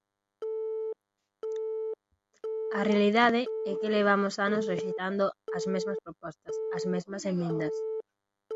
A realidade é que levamos anos rexeitando as mesmas propostas, as mesmas emendas.